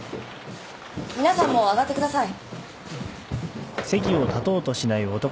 皆さんも上がってください。